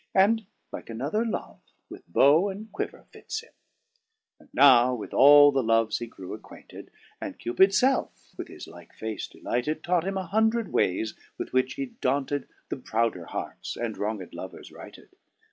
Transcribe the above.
And, like another Love, with bow and quiver fits him. 9 And now with all the Loves he grew acquainted. And Cupids felfe, with his like face delighted. Taught him a hundred waycs with which he daunted The prouder hearts, and wronged lovers righted.